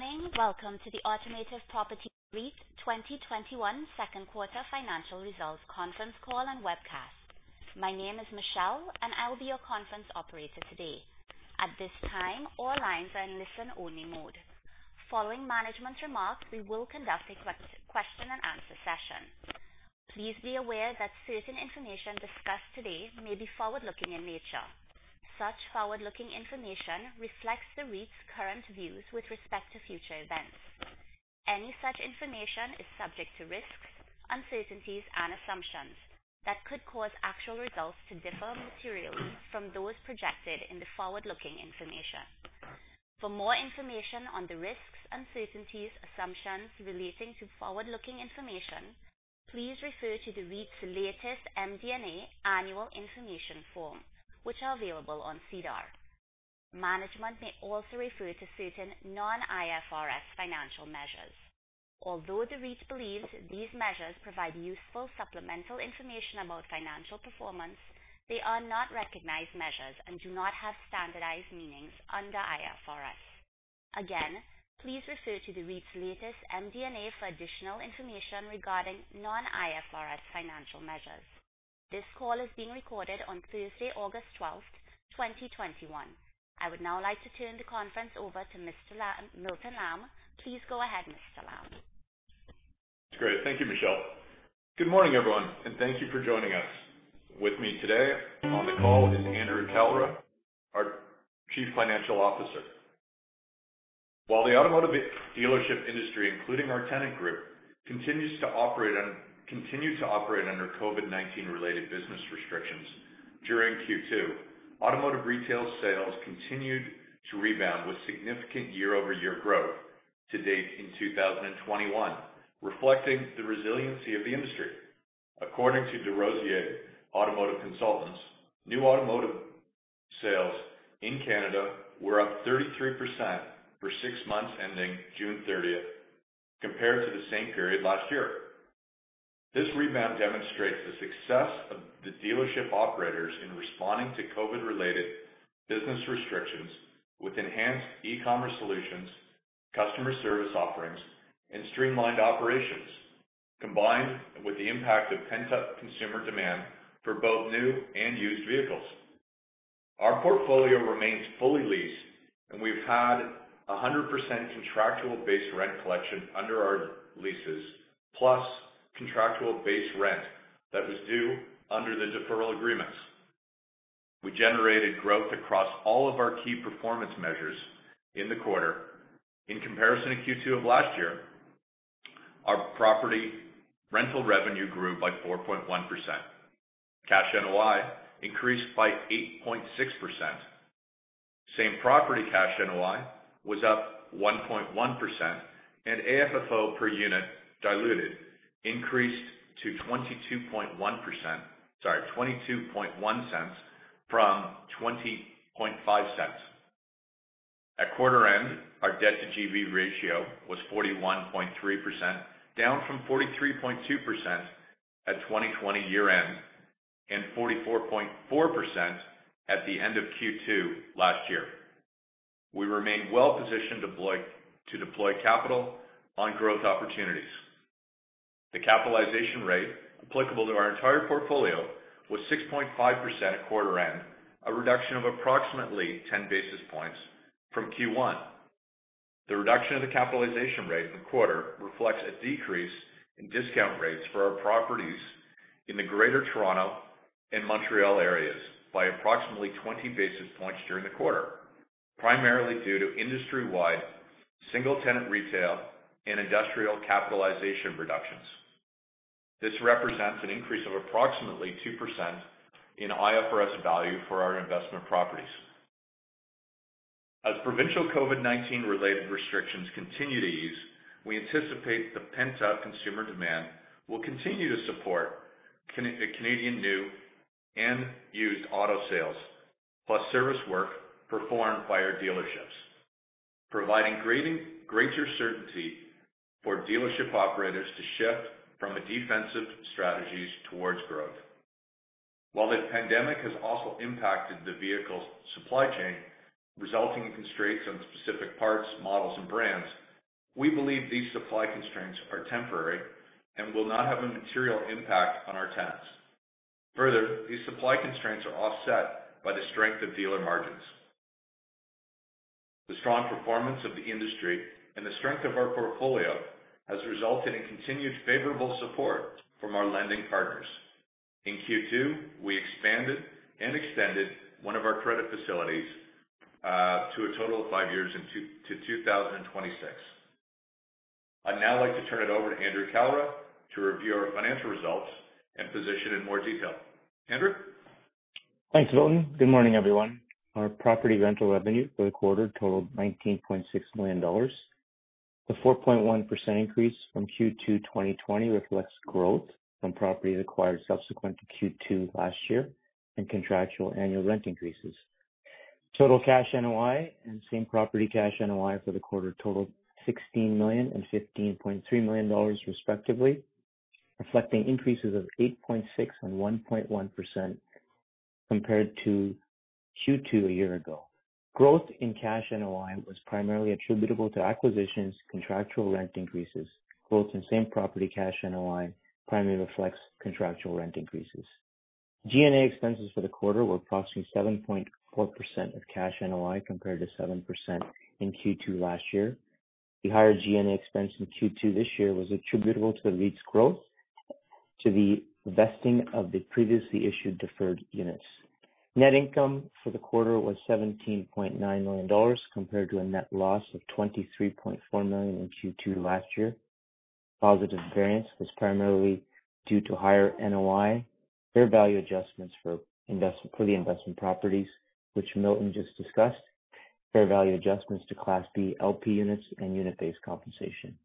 Good morning. Welcome to the Automotive Properties REIT 2021 second quarter financial results conference call and webcast. My name is Michelle, and I will be your conference operator today. At this time, all lines are in listen only mode. Following management remarks, we will conduct a question and answer session. Please be aware that certain information discussed today may be forward-looking in nature. Such forward-looking information reflects the REIT's current views with respect to future events. Any such information is subject to risks, uncertainties, and assumptions that could cause actual results to differ materially from those projected in the forward-looking information. For more information on the risks, uncertainties, assumptions relating to forward-looking information, please refer to the REIT's latest MD&A annual information form, which are available on SEDAR. Management may also refer to certain non-IFRS financial measures. Although the REIT believes these measures provide useful supplemental information about financial performance, they are not recognized measures and do not have standardized meanings under IFRS. Again, please refer to the REIT's latest MD&A for additional information regarding non-IFRS financial measures. This call is being recorded on Tuesday, August 12th, 2021. I would now like to turn the conference over to Mr. Milton Lamb. Please go ahead, Mr. Lamb. That's great. Thank you, Michelle. Good morning, everyone, and thank you for joining us. With me today on the call is Andrew Kalra, our Chief Financial Officer. While the automotive dealership industry, including our tenant group, continue to operate under COVID-19 related business restrictions, during Q2, automotive retail sales continued to rebound with significant year-over-year growth to date in 2021, reflecting the resiliency of the industry. According to DesRosiers Automotive Consultants, new automotive sales in Canada were up 33% for six months ending June 30th, compared to the same period last year. This rebound demonstrates the success of the dealership operators in responding to COVID related business restrictions with enhanced e-commerce solutions, customer service offerings, and streamlined operations, combined with the impact of pent-up consumer demand for both new and used vehicles. Our portfolio remains fully leased, and we've had 100% contractual base rent collection under our leases, plus contractual base rent that was due under the deferral agreements. We generated growth across all of our key performance measures in the quarter. In comparison to Q2 of last year, our property rental revenue grew by 4.1%. Cash NOI increased by 8.6%. Same property cash NOI was up 1.1%, and AFFO per unit diluted increased to 0.221 from 0.205. At quarter end, our debt-to-GBV ratio was 41.3%, down from 43.2% at 2020 year-end, and 44.4% at the end of Q2 last year. We remain well positioned to deploy capital on growth opportunities. The capitalization rate applicable to our entire portfolio was 6.5% at quarter end, a reduction of approximately 10 basis points from Q1. The reduction of the capitalization rate in the quarter reflects a decrease in discount rates for our properties in the greater Toronto and Montreal areas by approximately 20 basis points during the quarter, primarily due to industry-wide single tenant retail and industrial capitalization reductions. This represents an increase of approximately 2% in IFRS value for our investment properties. As provincial COVID-19 related restrictions continue to ease, we anticipate the pent-up consumer demand will continue to support Canadian new and used auto sales, plus service work performed by our dealerships, providing greater certainty for dealership operators to shift from a defensive strategies towards growth. While the pandemic has also impacted the vehicle supply chain, resulting in constraints on specific parts, models, and brands, we believe these supply constraints are temporary and will not have a material impact on our tenants. Further, these supply constraints are offset by the strength of dealer margins. The strong performance of the industry and the strength of our portfolio has resulted in continued favorable support from our lending partners. In Q2, we expanded and extended one of our credit facilities to a total of five years to 2026. I'd now like to turn it over to Andrew Kalra to review our financial results and position in more detail. Andrew? Thanks, Milton. Good morning, everyone. Our property rental revenue for the quarter totaled 19.6 million dollars. The 4.1% increase from Q2 2020 reflects growth from properties acquired subsequent to Q2 last year and contractual annual rent increases. Total cash NOI and same property cash NOI for the quarter totaled 16 million and 15.3 million dollars respectively. Reflecting increases of 8.6% and 1.1% compared to Q2 a year ago. Growth in cash NOI was primarily attributable to acquisitions, contractual rent increases. Growth in same property cash NOI primarily reflects contractual rent increases. G&A expenses for the quarter were approximately 7.4% of cash NOI compared to 7% in Q2 last year. The higher G&A expense in Q2 this year was attributable to the REIT's growth to the vesting of the previously issued deferred units. Net income for the quarter was 17.9 million dollars, compared to a net loss of 23.4 million in Q2 last year. Positive variance was primarily due to higher NOI, fair value adjustments for the investment properties which Milton just discussed, fair value adjustments to Class B LP Units, and unit-based compensation.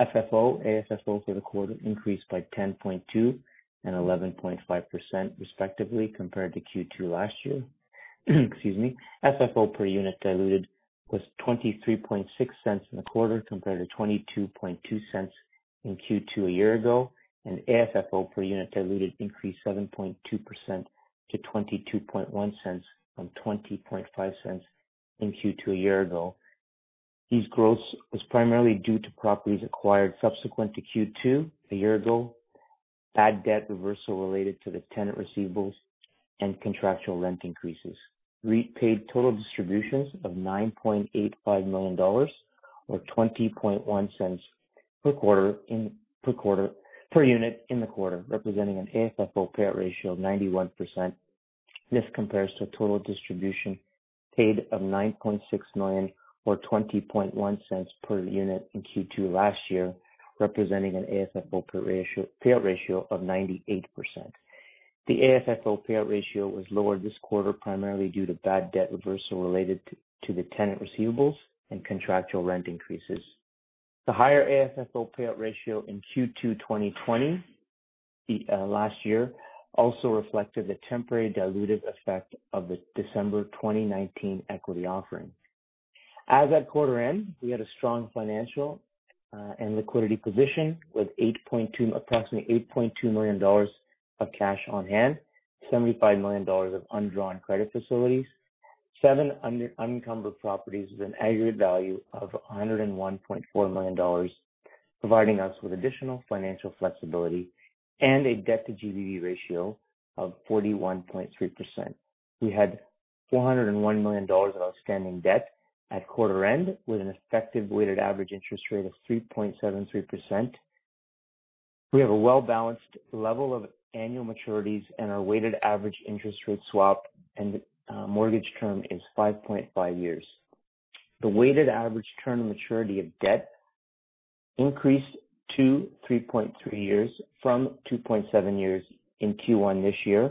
FFO, AFFO for the quarter increased by 10.2% and 11.5% respectively compared to Q2 last year. Excuse me. FFO per unit diluted was 0.236 in the quarter compared to 0.222 in Q2 a year ago, and AFFO per unit diluted increased 7.2% to 0.221 from 0.205 in Q2 a year ago. These growths was primarily due to properties acquired subsequent to Q2 a year ago, bad debt reversal related to the tenant receivables, and contractual rent increases. REIT paid total distributions of 9.85 million dollars, or 0.201 per unit in the quarter, representing an AFFO payout ratio of 91%. This compares to total distribution paid of 9.6 million or 0.201 per unit in Q2 last year, representing an AFFO payout ratio of 98%. The AFFO payout ratio was lower this quarter, primarily due to bad debt reversal related to the tenant receivables and contractual rent increases. The higher AFFO payout ratio in Q2 2020, last year, also reflected the temporary dilutive effect of the December 2019 equity offering. As at quarter end, we had a strong financial and liquidity position with approximately 8.2 million dollars of cash on hand, 75 million dollars of undrawn credit facilities, seven unencumbered properties with an aggregate value of 101.4 million dollars, providing us with additional financial flexibility and a debt to GBV ratio of 41.3%. We had 401 million dollars of outstanding debt at quarter end, with an effective weighted average interest rate of 3.73%. We have a well-balanced level of annual maturities and our weighted average interest rate swap and mortgage term is 5.5 years. The weighted average term maturity of debt increased to 3.3 years from 2.7 years in Q1 this year,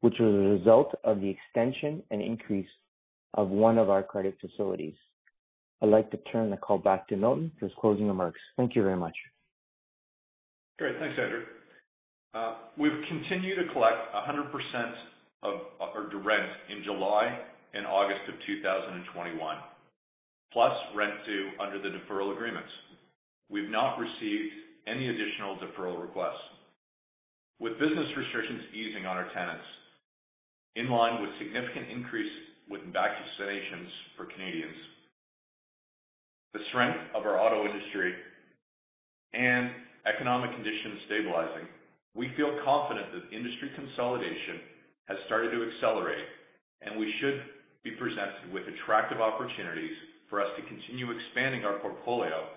which was a result of the extension and increase of one of our credit facilities. I'd like to turn the call back to Milton for his closing remarks. Thank you very much. Great. Thanks, Andrew. We've continued to collect 100% of our rent in July and August of 2021, plus rent due under the deferral agreements. We've not received any additional deferral requests. With business restrictions easing on our tenants, in line with significant increase with vaccinations for Canadians, the strength of our auto industry, and economic conditions stabilizing, we feel confident that industry consolidation has started to accelerate and we should be presented with attractive opportunities for us to continue expanding our portfolio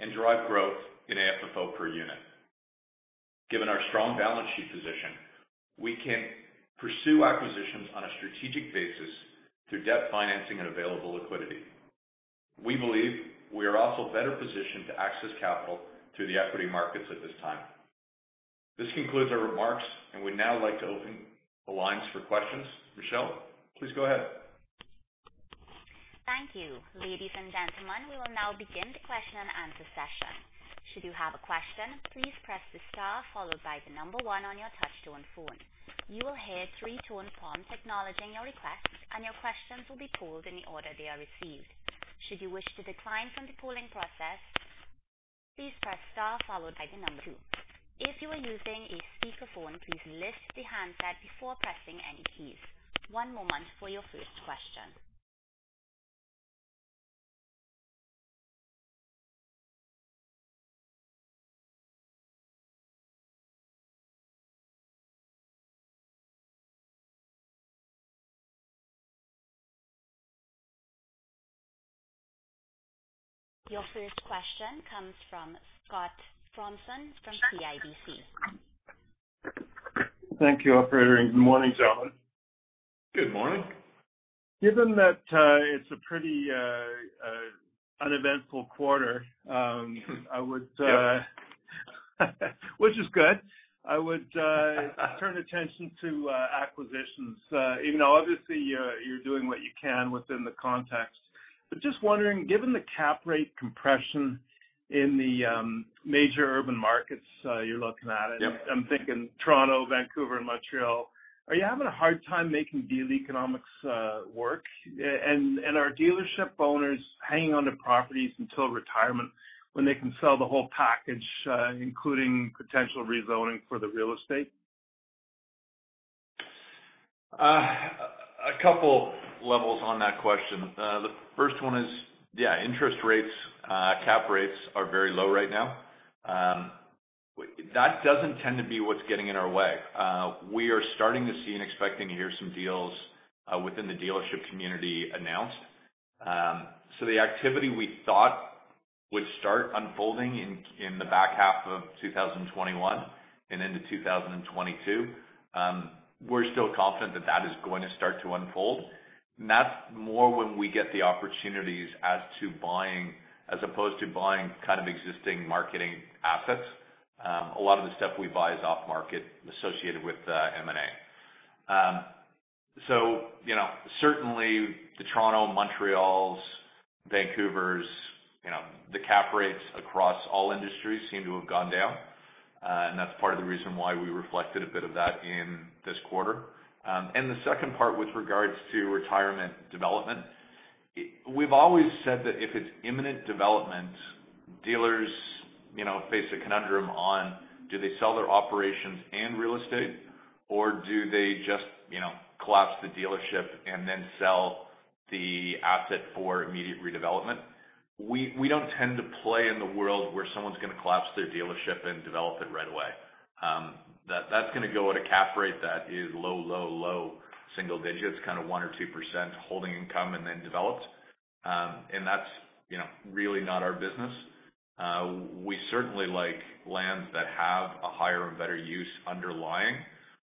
and drive growth in AFFO per unit. Given our strong balance sheet position, we can pursue acquisitions on a strategic basis through debt financing and available liquidity. We believe we are also better positioned to access capital through the equity markets at this time. This concludes our remarks, and we'd now like to open the lines for questions. Michelle, please go ahead. Thank you, ladies and gentlemen, we will now begin the question and answer session. Should you have a question, please press the star followed by the number one on your touchtone phone. You will hear three tone prompt acknowledging your request, and your questions will be pooled in the order they are received. Should you wish to decline from the pooling process, please press star followed by the number two. If you are using a speakerphone, please lift the handset before pressing any keys. One moment for your first question. Your first question comes from Scott Fromson from CIBC. Thank you, operator, and good morning, gentlemen. Good morning. Given that it's a pretty uneventful quarter. Which is good. I would turn attention to acquisitions. Obviously you're doing what you can within the context, but just wondering, given the cap rate compression in the major urban markets you're looking at? Yep. I'm thinking Toronto, Vancouver, and Montreal. Are you having a hard time making deal economics work? Are dealership owners hanging onto properties until retirement when they can sell the whole package, including potential rezoning for the real estate? A couple levels on that question. The first one is, interest rates, cap rates are very low right now. That doesn't tend to be what's getting in our way. We are starting to see and expecting to hear some deals within the dealership community announced. The activity we thought would start unfolding in the back half of 2021 and into 2022, we're still confident that is going to start to unfold. That's more when we get the opportunities as opposed to buying existing marketing assets. A lot of the stuff we buy is off-market associated with M&A. Certainly the Toronto, Montreals, Vancouvers, the cap rates across all industries seem to have gone down. That's part of the reason why we reflected a bit of that in this quarter. The second part with regards to retirement development, we've always said that if it's imminent development, dealers face a conundrum on do they sell their operations and real estate, or do they just collapse the dealership and then sell the asset for immediate redevelopment? We don't tend to play in the world where someone's going to collapse their dealership and develop it right away. That's going to go at a cap rate that is low single digits, kind of 1% or 2% holding income and then developed. That's really not our business. We certainly like lands that have a higher and better use underlying,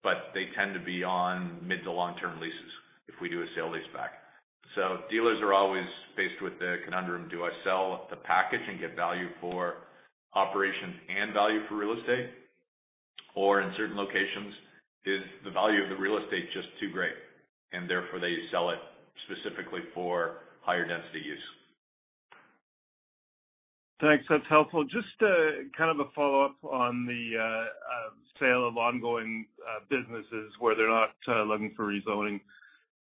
but they tend to be on mid to long-term leases if we do a sale-leaseback. Dealers are always faced with the conundrum, do I sell the package and get value for operations and value for real estate? In certain locations, is the value of the real estate just too great, and therefore they sell it specifically for higher density use. Thanks. That's helpful. Just a follow-up on the sale of ongoing businesses where they're not looking for rezoning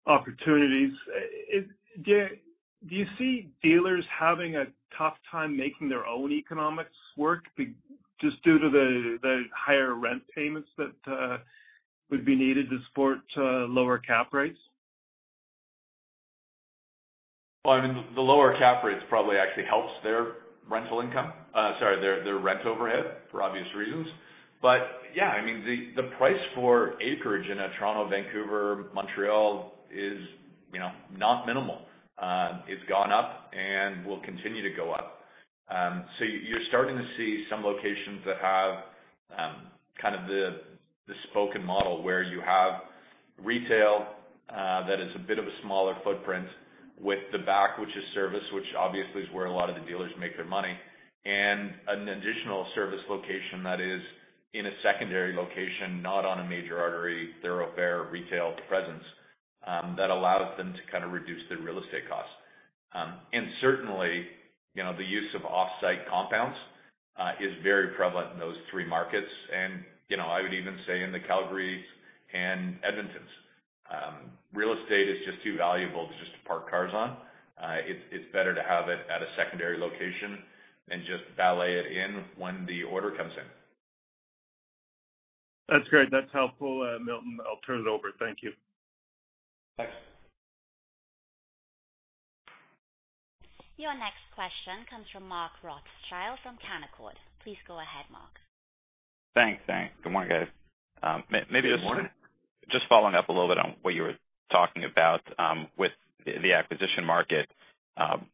opportunities. Do you see dealers having a tough time making their own economics work just due to the higher rent payments that would be needed to support lower cap rates? Well, the lower cap rates probably actually helps their rental income. Sorry, their rent overhead for obvious reasons. Yeah, the price for acreage in a Toronto, Vancouver, Montreal is not minimal. It's gone up and will continue to go up. You're starting to see some locations that have the spoke model where you have retail that is a bit of a smaller footprint with the back, which is service, which obviously is where a lot of the dealers make their money, and an additional service location that is in a secondary location, not on a major artery. They're a bare retail presence that allows them to reduce their real estate costs. Certainly, the use of off-site compounds is very prevalent in those three markets, and I would even say in the Calgaries and Edmontons. Real estate is just too valuable just to park cars on. It's better to have it at a secondary location and just valet it in when the order comes in. That's great. That's helpful, Milton. I'll turn it over. Thank you. Thanks. Your next question comes from Mark Rothschild from Canaccord Genuity. Please go ahead, Mark. Thanks. Good morning, guys. Good morning. Maybe just following up a little bit on what you were talking about with the acquisition market.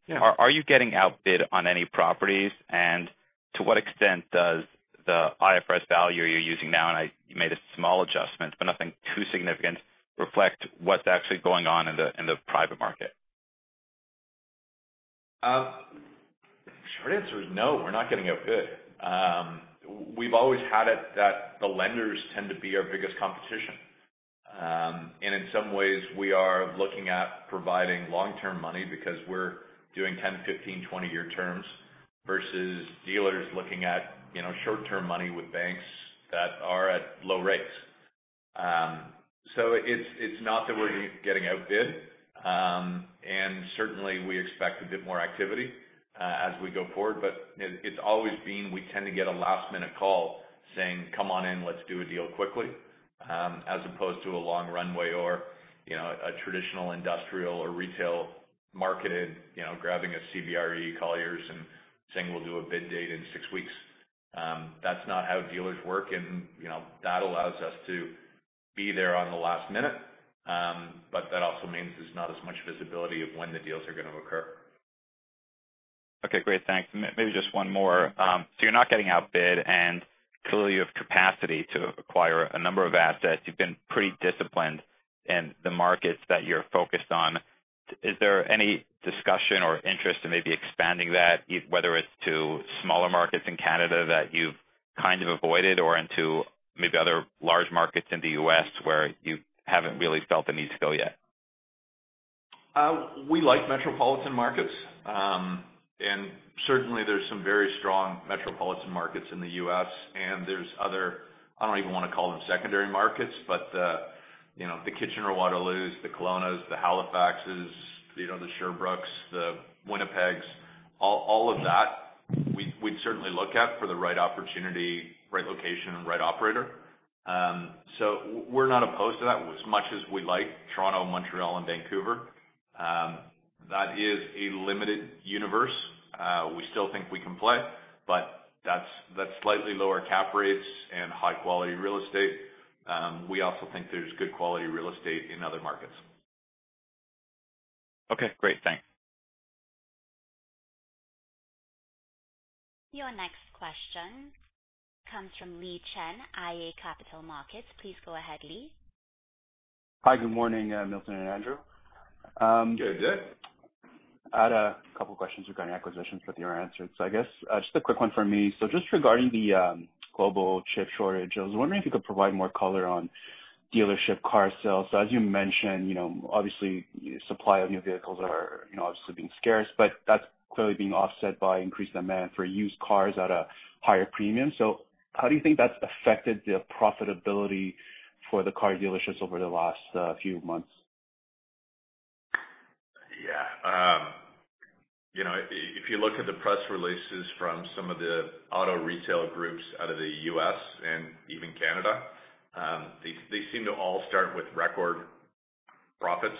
Yeah. Are you getting outbid on any properties? To what extent does the IFRS value you're using now, and you made a small adjustment, but nothing too significant, reflect what's actually going on in the private market? The short answer is no, we're not getting outbid. We've always had it that the lenders tend to be our biggest competition. In some ways, we are looking at providing long-term money because we're doing 10, 15, 20-year terms versus dealers looking at short-term money with banks that are at low rates. It's not that we're getting outbid, certainly we expect a bit more activity as we go forward, it's always been, we tend to get a last-minute call saying, "Come on in, let's do a deal quickly," as opposed to a long runway or a traditional industrial or retail marketed, grabbing a CBRE, Colliers and saying we'll do a bid date in six weeks. That's not how dealers work and that allows us to be there on the last-minute. That also means there's not as much visibility of when the deals are going to occur. Okay, great. Thanks. Maybe just one more. You're not getting outbid, and clearly you have capacity to acquire a number of assets. You've been pretty disciplined in the markets that you're focused on. Is there any discussion or interest in maybe expanding that, whether it's to smaller markets in Canada that you've kind of avoided or into maybe other large markets in the U.S. where you haven't really felt a need to go yet? We like metropolitan markets, and certainly there's some very strong metropolitan markets in the U.S. and there's other, I don't even want to call them secondary markets, but the Kitchener-Waterloos, the Kelownas, the Halifaxes, the Sherbrookes, the Winnipegs, all of that we'd certainly look at for the right opportunity, right location, and right operator. So we're not opposed to that, as much as we like Toronto, Montreal, and Vancouver. That is a limited universe. We still think we can play, but that's slightly lower cap rates and high-quality real estate. We also think there's good quality real estate in other markets. Okay, great. Thanks. Your next question comes from Li Chen, iA Capital Markets. Please go ahead, Lee. Hi, good morning, Milton and Andrew. Good day. I had a couple questions regarding acquisitions, but they were answered. I guess just a quick one from me. Just regarding the global chip shortage, I was wondering if you could provide more color on dealership car sales. As you mentioned, obviously supply of new vehicles are obviously being scarce, but that's clearly being offset by increased demand for used cars at a higher premium. How do you think that's affected the profitability for the car dealerships over the last few months? Yeah. If you look at the press releases from some of the automotive retail groups out of the U.S. and even Canada, they seem to all start with record profits.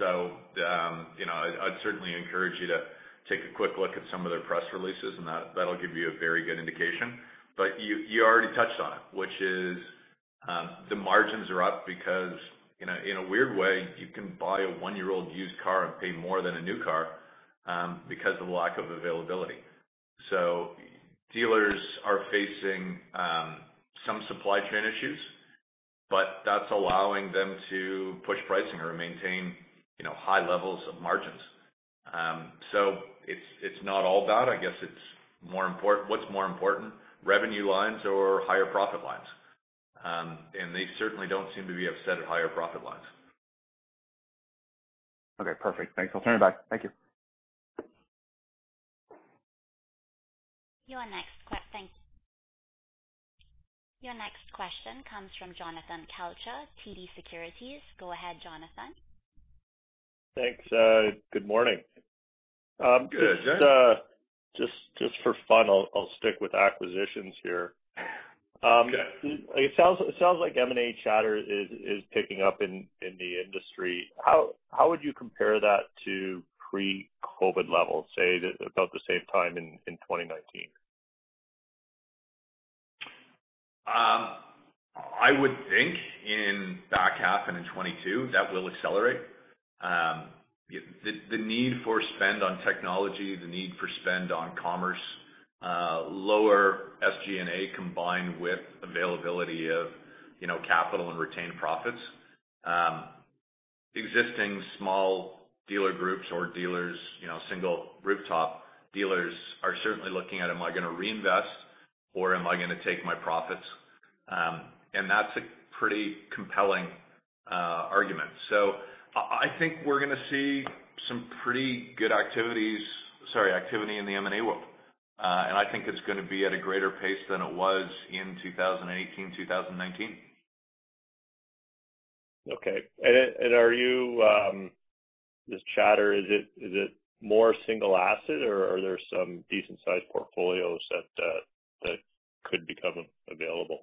I'd certainly encourage you to take a quick look at some of their press releases, and that'll give you a very good indication. You already touched on it, which is the margins are up because in a weird way, you can buy a one-year-old used car and pay more than a new car because of the lack of availability. Dealers are facing some supply chain issues, but that's allowing them to push pricing or maintain high levels of margins. It's not all bad. I guess what's more important, revenue lines or higher profit lines? They certainly don't seem to be upset at higher profit lines. Okay, perfect. Thanks. I'll turn it back. Thank you. Your next question comes from Jonathan Kelcher, TD Securities. Go ahead, Jonathan. Thanks. Good morning. Good, yeah. Just for fun, I'll stick with acquisitions here. Okay. It sounds like M&A chatter is picking up in the industry. How would you compare that to pre-COVID levels, say, about the same time in 2019? I would think in the back half and in 2022, that will accelerate. The need for spend on technology, the need for spend on commerce, lower SG&A combined with availability of capital and retained profits. Existing small dealer groups or dealers, single rooftop dealers are certainly looking at, am I going to reinvest or am I going to take my profits? That's a pretty compelling argument. I think we're going to see some pretty good activity in the M&A world. I think it's going to be at a greater pace than it was in 2018-2019. Okay. This chatter, is it more single asset, or are there some decent sized portfolios that could become available?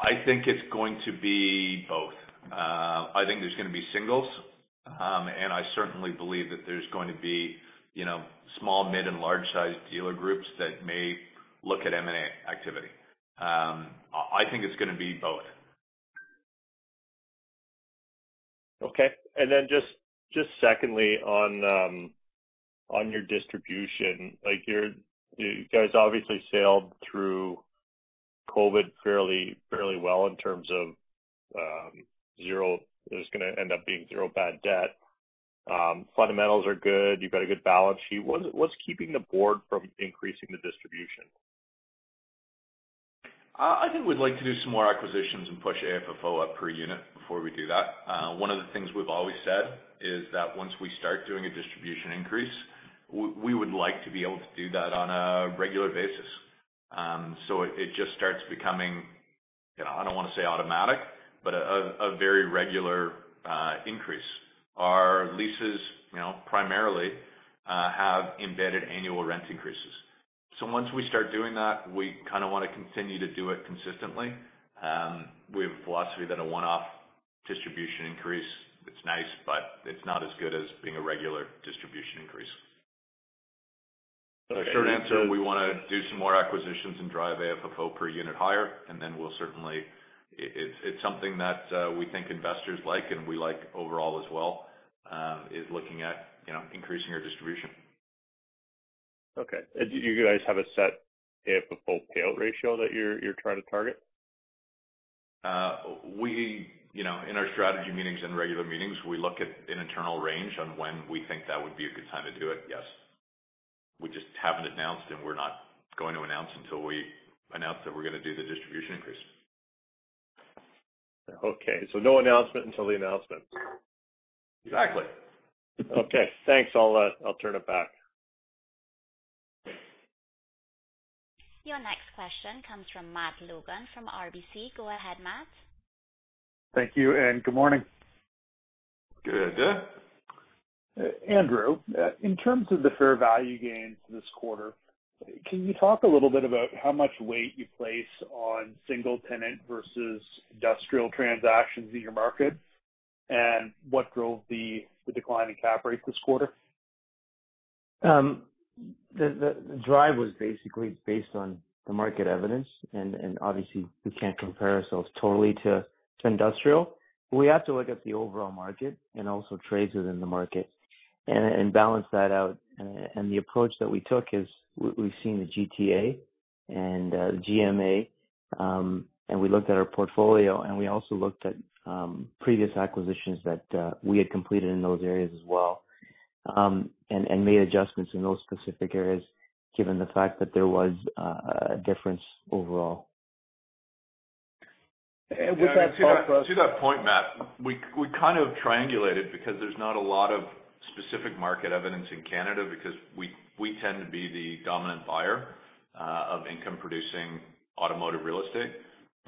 I think it's going to be both. I think there's going to be singles, and I certainly believe that there's going to be small, mid, and large size dealer groups that may look at M&A activity. I think it's going to be both. Okay. Just secondly on your distribution, you guys obviously sailed through COVID fairly well in terms of there's going to end up being zero bad debt. Fundamentals are good. You've got a good balance sheet. What's keeping the board from increasing the distribution? I think we'd like to do some more acquisitions and push AFFO up per unit before we do that. One of the things we've always said is that once we start doing a distribution increase, we would like to be able to do that on a regular basis. It just starts becoming, I don't want to say automatic, but a very regular increase. Our leases primarily have embedded annual rent increases. Once we start doing that, we kind of want to continue to do it consistently. We have a philosophy that a one-off distribution increase, it's nice, but it's not as good as being a regular distribution increase. Okay. Short answer, we want to do some more acquisitions and drive AFFO per unit higher, and then it's something that we think investors like and we like overall as well, is looking at increasing our distribution. Okay. Do you guys have a set AFFO payout ratio that you try to target? In our strategy meetings and regular meetings, we look at an internal range on when we think that would be a good time to do it, yes. We just haven't announced, and we're not going to announce until we announce that we're going to do the distribution increase. Okay. No announcement until the announcement. Exactly. Okay, thanks. I'll turn it back. Your next question comes from Matt Logan from RBC. Go ahead, Matt. Thank you, and good morning. Good. Andrew, in terms of the fair value gains this quarter, can you talk a little bit about how much weight you place on single-tenant versus industrial transactions in your market? And what drove the decline in cap rate this quarter? The drive was basically based on the market evidence. Obviously we can't compare ourselves totally to industrial. We have to look at the overall market and also trades within the market and balance that out. The approach that we took is we've seen the GTA and the GMA, and we looked at our portfolio, and we also looked at previous acquisitions that we had completed in those areas as well. Made adjustments in those specific areas given the fact that there was a difference overall. To that point, Matt, we kind of triangulated because there's not a lot of specific market evidence in Canada because we tend to be the dominant buyer of income-producing automotive real estate.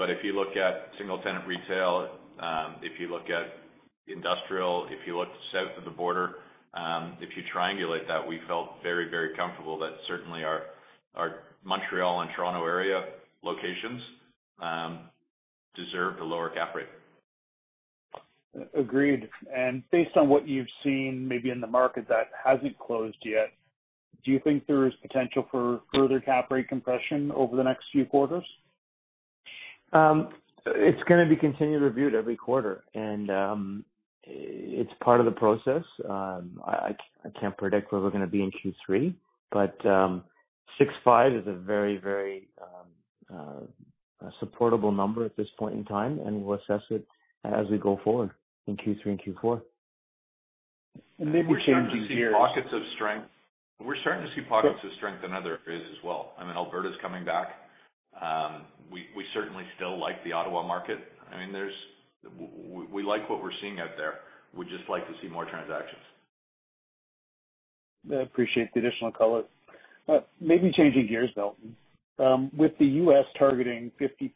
If you look at single-tenant retail, if you look at industrial, if you look south of the border, if you triangulate that, we felt very comfortable that certainly our Montreal and Toronto area locations deserve a lower cap rate. Agreed. Based on what you've seen maybe in the market that hasn't closed yet, do you think there is potential for further cap rate compression over the next few quarters? It's going to be continually reviewed every quarter. It's part of the process. I can't predict where we're going to be in Q3. 6.5 is a very supportable number at this point in time. We'll assess it as we go forward in Q3 and Q4. We're starting to see pockets of strength in other areas as well. I mean, Alberta's coming back. We certainly still like the Ottawa market. We like what we're seeing out there. We'd just like to see more transactions. I appreciate the additional color. Maybe changing gears, though. With the U.S. targeting 50%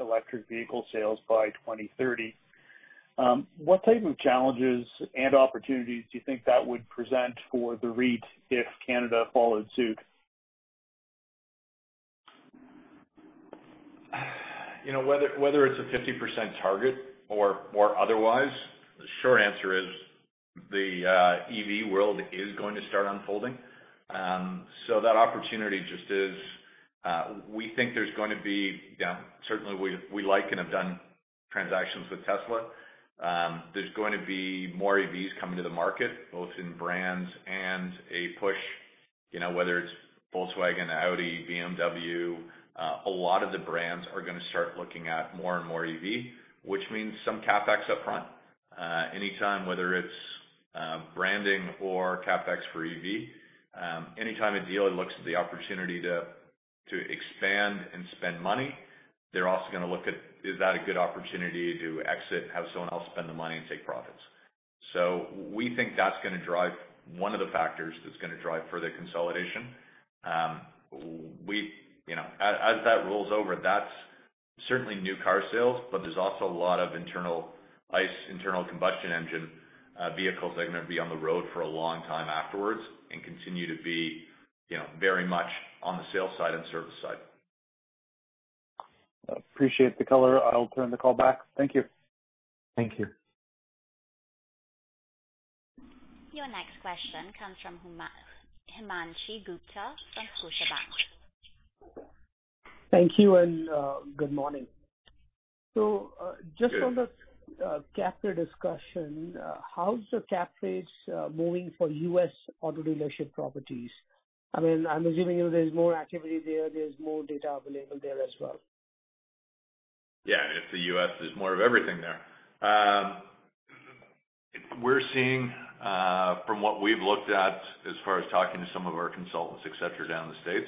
electric vehicle sales by 2030, what type of challenges and opportunities do you think that would present for the REIT if Canada followed suit? Whether it's a 50% target or otherwise, the short answer is the EV world is going to start unfolding. Certainly, we like and have done transactions with Tesla. There's going to be more EVs coming to the market, both in brands and a push, whether it's Volkswagen, Audi, BMW. A lot of the brands are going to start looking at more and more EV, which means some CapEx upfront. Anytime, whether it's branding or CapEx for EV, anytime a dealer looks at the opportunity to expand and spend money, they're also going to look at, is that a good opportunity to exit, have someone else spend the money and take profits? We think that's going to drive one of the factors that's going to drive further consolidation. As that rolls over, that's certainly new car sales, but there's also a lot of internal ICE, internal combustion engine, vehicles that are going to be on the road for a long time afterwards and continue to be very much on the sales side and service side. I appreciate the color. I'll turn the call back. Thank you. Thank you. Your next question comes from Himanshu Gupta from Scotiabank. Thank you, and good morning. Good. Just on the cap rate discussion, how's the cap rates moving for U.S. auto dealership properties? I'm assuming there's more activity there's more data available there as well. Yeah, it's the U.S. There's more of everything there. We're seeing from what we've looked at as far as talking to some of our consultants, et cetera, down in the States,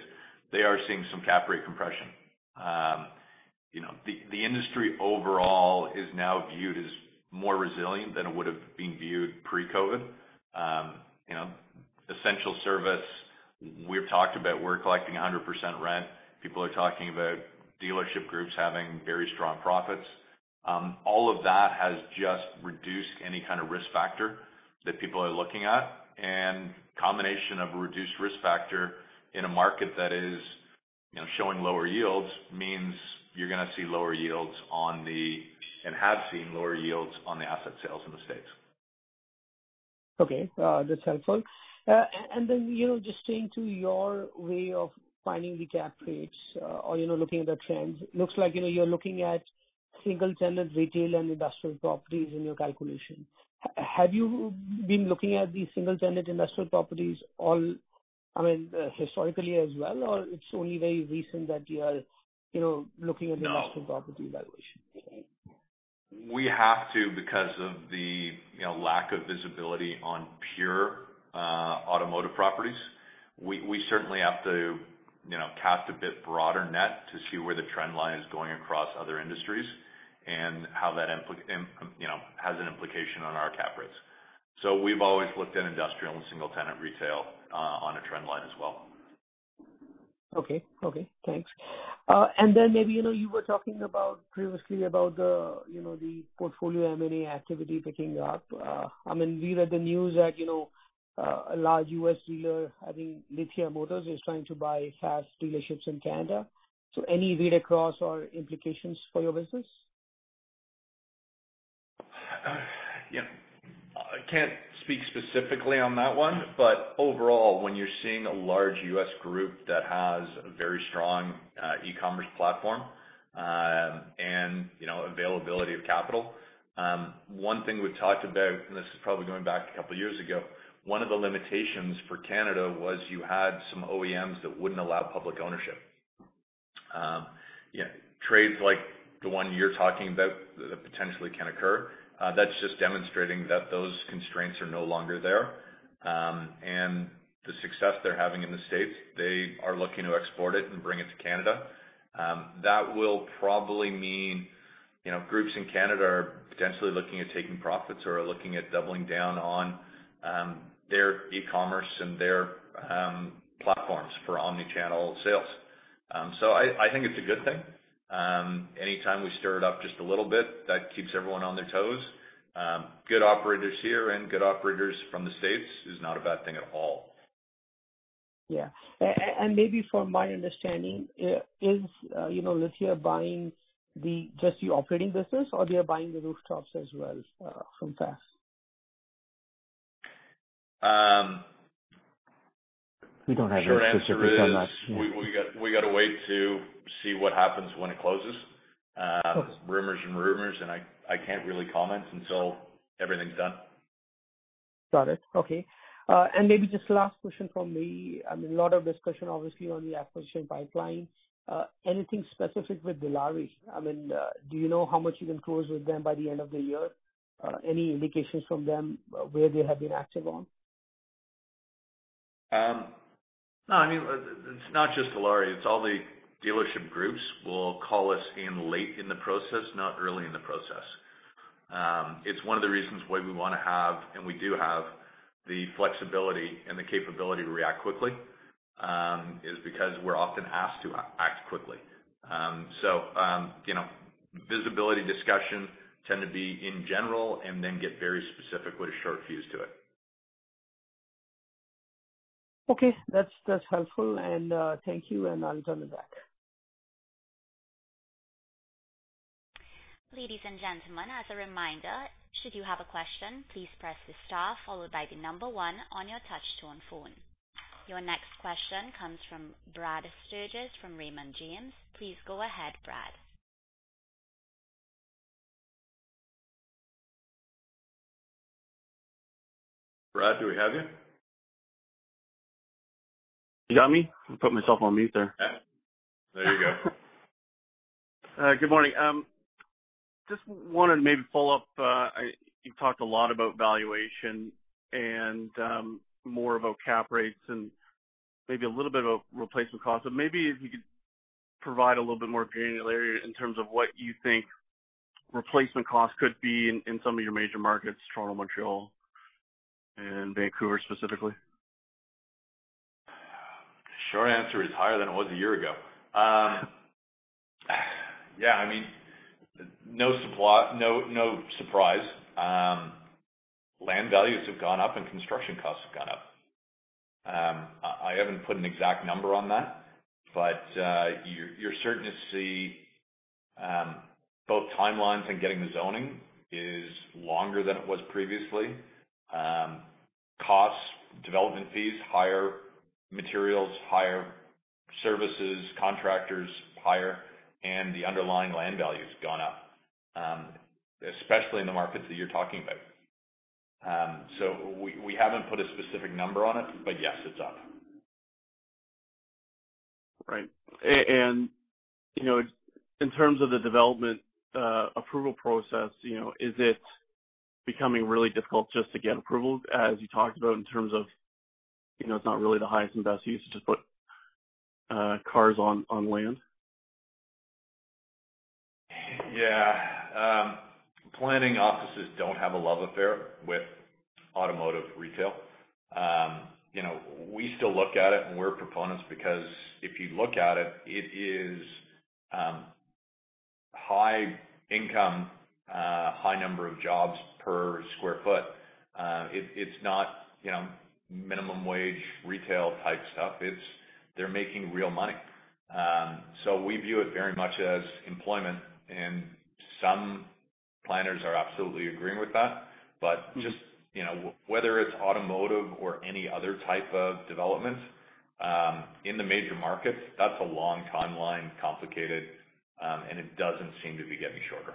they are seeing some cap rate compression. The industry overall is now viewed as more resilient than it would've been viewed pre-COVID. Essential service, we've talked about we're collecting 100% rent. People are talking about dealership groups having very strong profits. All of that has just reduced any kind of risk factor that people are looking at. Combination of a reduced risk factor in a market that is showing lower yields means you're going to see lower yields and have seen lower yields on the asset sales in the States. Okay. That's helpful. Just staying to your way of finding the cap rates or looking at the trends. Looks like you're looking at single-tenant retail and industrial properties in your calculation. Have you been looking at these single-tenant industrial properties historically as well, or it's only very recent that you are looking at industrial property valuation? We have to because of the lack of visibility on pure automotive properties. We certainly have to cast a bit broader net to see where the trend line is going across other industries and how that has an implication on our cap rates. We've always looked at industrial and single-tenant retail on a trend line as well. Okay. Thanks. Maybe, you were talking previously about the portfolio M&A activity picking up. We read the news that a large U.S. dealer, I think Lithia Motors, is trying to buy Pfaff dealerships in Canada. Any read across or implications for your business? Yeah. I can't speak specifically on that one, but overall, when you're seeing a large U.S. group that has a very strong e-commerce platform and availability of capital, one thing we've talked about, and this is probably going back a couple of years ago, one of the limitations for Canada was you had some OEMs that wouldn't allow public ownership. Trades like the one you're talking about that potentially can occur, that's just demonstrating that those constraints are no longer there. The success they're having in the States, they are looking to export it and bring it to Canada. That will probably mean groups in Canada are potentially looking at taking profits or are looking at doubling down on their e-commerce and their platforms for omni-channel sales. I think it's a good thing. Anytime we stir it up just a little bit, that keeps everyone on their toes. Good operators here and good operators from the States is not a bad thing at all. Yeah. Maybe from my understanding, is Lithia buying just the operating business or they are buying the rooftops as well from Pfaff? The short answer is. We don't have it specific so much, yeah. We got to wait to see what happens when it closes. Of course. Rumors and rumors, and I can't really comment until everything's done. Got it. Okay. Maybe just last question from me. A lot of discussion, obviously, on the acquisition pipeline. Anything specific with Dilawri? Do you know how much you can close with them by the end of the year? Any indications from them where they have been active on? No, it's not just Dilawri. It's all the dealership groups will call us in late in the process, not early in the process. It's one of the reasons why we want to have, and we do have, the flexibility and the capability to react quickly, is because we're often asked to act quickly. Visibility discussions tend to be in general and then get very specific with a short fuse to it. Okay. That's helpful. Thank you. I'll turn it back. Ladies and gentlemen, as a reminder, should you have a question, please press the star followed by the number one on your touch-tone phone. Your next question comes from Brad Sturges from Raymond James. Please go ahead, Brad. Brad, do we have you? You got me? I put myself on mute there. There you go. Good morning. Just wanted to maybe follow up. You talked a lot about valuation and more about cap rates and maybe a little bit about replacement costs, maybe if you could provide a little bit more granularity in terms of what you think replacement costs could be in some of your major markets, Toronto, Montreal, and Vancouver, specifically. The short answer is higher than it was a year ago. Yeah, no surprise. Land values have gone up and construction costs have gone up. I haven't put an exact number on that, but you're certain to see both timelines and getting the zoning is longer than it was previously. Costs, development fees, higher. Materials, higher. Services, contractors, higher. The underlying land value's gone up, especially in the markets that you're talking about. We haven't put a specific number on it, but yes, it's up. Right. In terms of the development approval process, is it becoming really difficult just to get approvals, as you talked about, in terms of it's not really the highest and best use to just put cars on land? Yeah. Planning offices don't have a love affair with automotive retail. We still look at it and we're proponents because if you look at it is high income, high number of jobs per square foot. It's not minimum wage retail type stuff. They're making real money. We view it very much as employment, and some planners are absolutely agreeing with that. Just whether it's automotive or any other type of development in the major markets, that's a long timeline, complicated, and it doesn't seem to be getting shorter.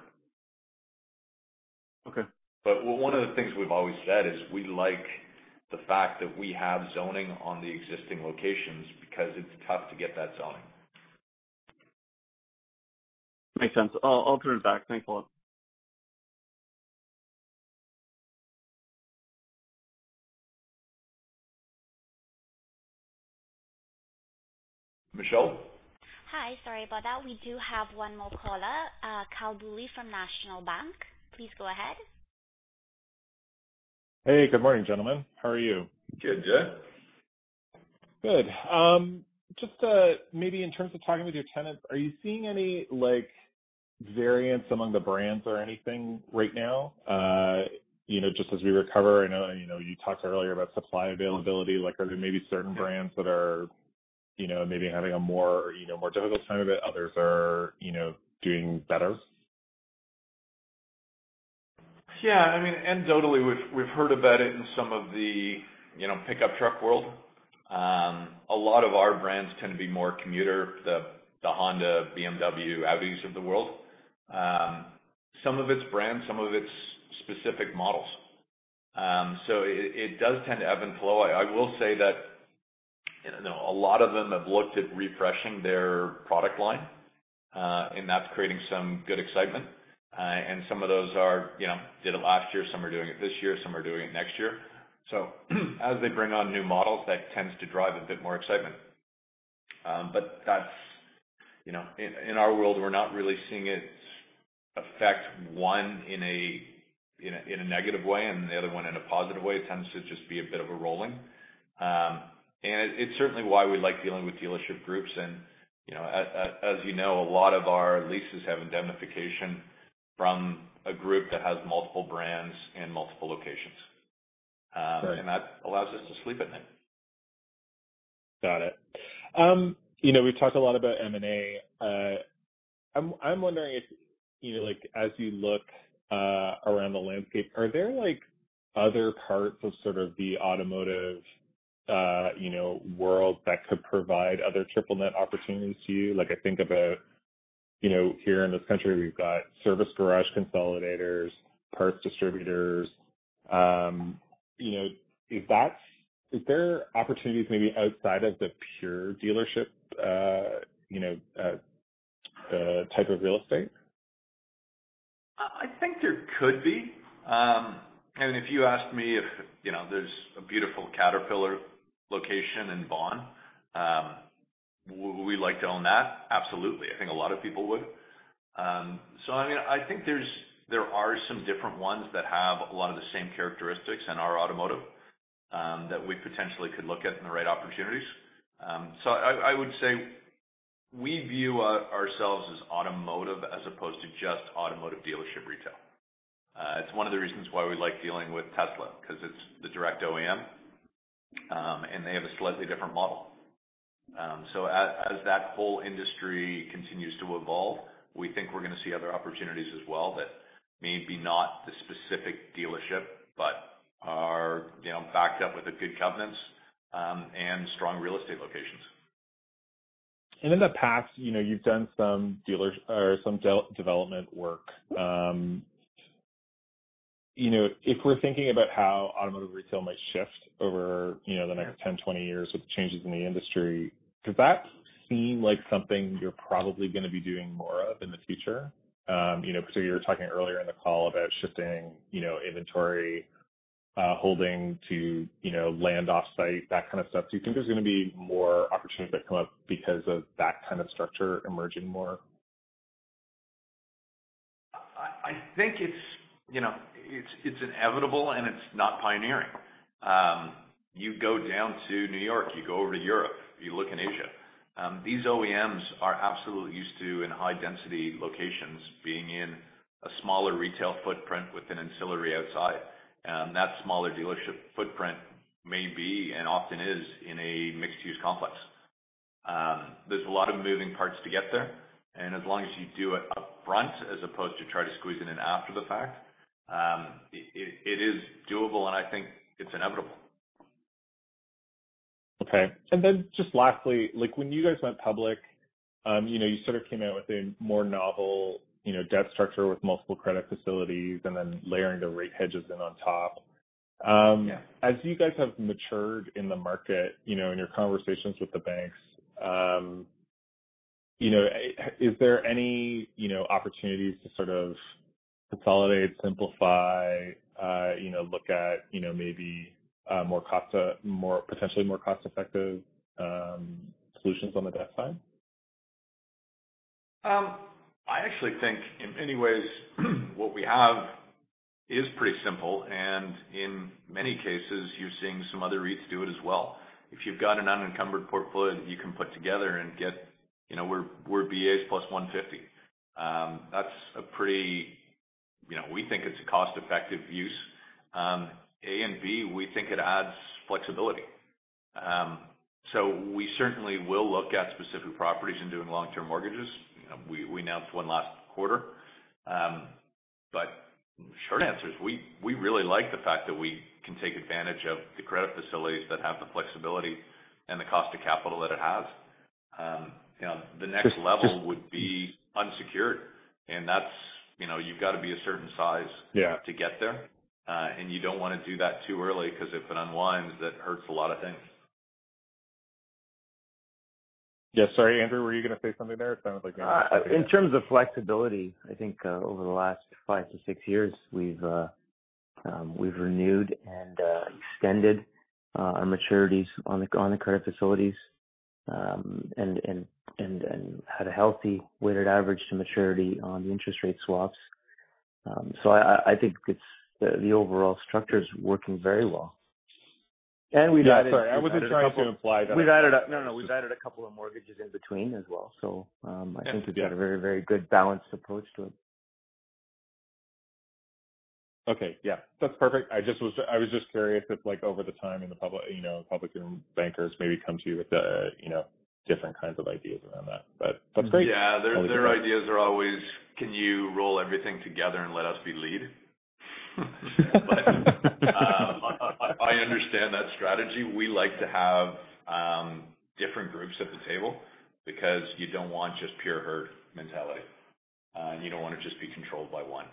Okay. One of the things we've always said is we like the fact that we have zoning on the existing locations because it's tough to get that zoning. Makes sense. I'll turn it back. Thanks a lot. Michelle? Hi. Sorry about that. We do have one more caller, Tal Woolley from National Bank. Please go ahead. Hey, good morning, gentlemen. How are you? Good. Jay? Good. Maybe in terms of talking with your tenants, are you seeing any variance among the brands or anything right now? As we recover, I know you talked earlier about supply availability, are there maybe certain brands that are maybe having a more difficult time of it, others are doing better? Yeah, anecdotally, we've heard about it in some of the pickup truck world. A lot of our brands tend to be more commuter, the Honda, BMW, Audis of the world. Some of it's brands, some of it's specific models. It does tend to ebb and flow. I will say that a lot of them have looked at refreshing their product line, and that's creating some good excitement. Some of those did it last year, some are doing it this year, some are doing it next year. As they bring on new models, that tends to drive a bit more excitement. In our world, we're not really seeing it affect one in a negative way and the other one in a positive way. It tends to just be a bit of a rolling. It's certainly why we like dealing with dealership groups and as you know, a lot of our leases have indemnification from a group that has multiple brands in multiple locations. Right. That allows us to sleep at night. Got it. We've talked a lot about M&A. I'm wondering if, as you look around the landscape, are there other parts of sort of the automotive world that could provide other triple net opportunities to you? I think about here in this country we've got service garage consolidators, parts distributors. Is there opportunities maybe outside of the pure dealership type of real estate? I think there could be. If you asked me if there's a beautiful Caterpillar location in Vaughan, would we like to own that? Absolutely. I think a lot of people would. I think there are some different ones that have a lot of the same characteristics in our automotive, that we potentially could look at in the right opportunities. I would say we view ourselves as automotive as opposed to just automotive dealership retail. It's one of the reasons why we like dealing with Tesla, because it's the direct OEM, and they have a slightly different model. As that whole industry continues to evolve, we think we're going to see other opportunities as well that may be not the specific dealership, but are backed up with a good covenants, and strong real estate locations. In the past, you've done some development work. If we're thinking about how automotive retail might shift over the next 10, 20 years with changes in the industry, does that seem like something you're probably going to be doing more of in the future? You were talking earlier in the call about shifting inventory, holding to land offsite, that kind of stuff. Do you think there's going to be more opportunities that come up because of that kind of structure emerging more? I think it's inevitable and it's not pioneering. You go down to New York, you go over to Europe, you look in Asia. These OEMs are absolutely used to in high density locations being in a smaller retail footprint with an ancillary outside. That smaller dealership footprint may be, and often is, in a mixed-use complex. There's a lot of moving parts to get there, and as long as you do it upfront as opposed to try to squeeze it in after the fact, it is doable, and I think it's inevitable. Okay. Just lastly, when you guys went public, you sort of came out with a more novel debt structure with multiple credit facilities and then layering the rate hedges in on top. Yeah. As you guys have matured in the market, in your conversations with the banks, is there any opportunities to sort of consolidate, simplify, look at maybe potentially more cost-effective solutions on the debt side? I actually think in many ways what we have is pretty simple, and in many cases, you're seeing some other REITs do it as well. If you've got an unencumbered portfolio that you can put together and get, we're BA plus 150. We think it's a cost-effective use. A and B, we think it adds flexibility. We certainly will look at specific properties and doing long-term mortgages. We announced one last quarter. Short answer is, we really like the fact that we can take advantage of the credit facilities that have the flexibility and the cost of capital that it has. The next level would be unsecured, and you've got to be a certain size. Yeah. To get there. You don't want to do that too early, because if it unwinds, it hurts a lot of things. Yeah. Sorry, Andrew, were you going to say something there? It sounded like you were. In terms of flexibility, I think over the last five to six years, we've renewed and extended our maturities on the credit facilities, and had a healthy weighted average to maturity on the interest rate swaps. I think the overall structure is working very well. Yeah, sorry. I wasn't trying to imply that. No, no. We've added a couple of mortgages in between as well. Yeah. I think we've got a very, very good balanced approach to it. Okay. Yeah. That's perfect. I was just curious if over the time in the public and bankers maybe come to you with different kinds of ideas around that. But that's great. Yeah. Their ideas are always, can you roll everything together and let us be lead? I understand that strategy. We like to have different groups at the table because you don't want just pure herd mentality. You don't want to just be controlled by one.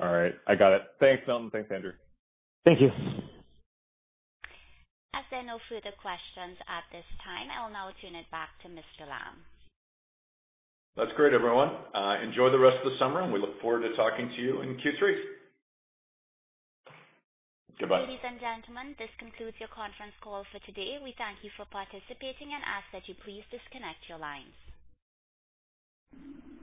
All right. I got it. Thanks, Milton. Thanks, Andrew. Thank you. As there are no further questions at this time, I will now turn it back to Mr. Lamb. That's great, everyone. Enjoy the rest of the summer. We look forward to talking to you in Q3. Goodbye. Ladies and gentlemen, this concludes your conference call for today. We thank you for participating and ask that you please disconnect your lines.